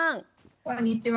こんにちは。